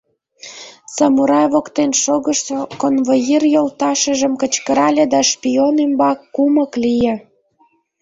— Самурай воктен шогышо конвоир йолташыжым кычкырале да шпион ӱмбак кумык лие.